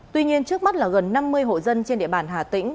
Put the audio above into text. tuy nhiên trước mắt là gần năm mươi hộ dân trên địa bàn hà tĩnh